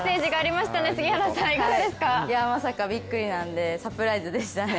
まさかびっくりなのでサプライズでしたね。